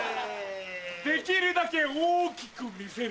できるだけ大きく見せる。